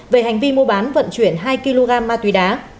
về hành vi mua bán vận chuyển hai kg ma túy đá